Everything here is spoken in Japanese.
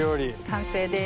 完成です。